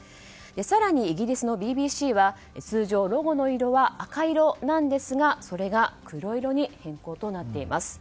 更にイギリスのＢＢＣは通常、ロゴの色は赤色なんですがそれが黒色に変更となっています。